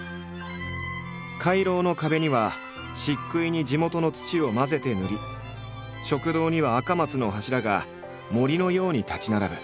回廊の壁には漆喰に地元の土を混ぜて塗り食堂には赤松の柱が森のように立ち並ぶ。